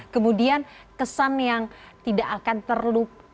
kemudian kesan yang tidak akan terlupakan